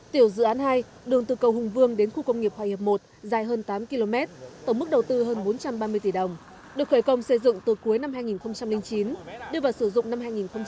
tiểu dự án hai đường từ cầu hùng vương đến khu công nghiệp hòa hiệp một dài hơn tám km tổng mức đầu tư hơn bốn trăm ba mươi tỷ đồng được khởi công xây dựng từ cuối năm hai nghìn chín đưa vào sử dụng năm hai nghìn một mươi